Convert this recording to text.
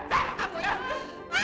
kurang ajar kamu ya